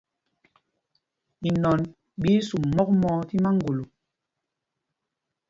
Inɔn ɓí í sum mɔk mɔɔ tí maŋgolo.